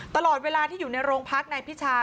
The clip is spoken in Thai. ตลอดเวลาที่อยู่ในโรงพักนายพิชา